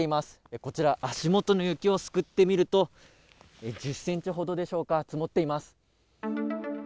こちら、足元の雪をすくってみると、１０センチほどでしょうか、積もっています。